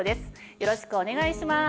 よろしくお願いします。